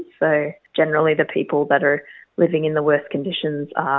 jadi secara general orang orang yang hidup di kondisi teruk